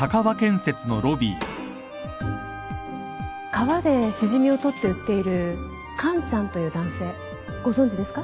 川でシジミを採って売っているカンちゃんという男性ご存じですか？